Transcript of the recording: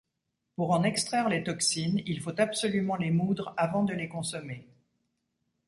Pour en extraire les toxines, il faut absolument les moudre avant de les consommer.